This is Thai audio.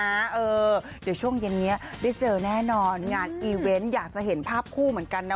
เดี๋ยวช่วงเย็นนี้ได้เจอแน่นอนงานอีเวนต์อยากจะเห็นภาพคู่เหมือนกันนะ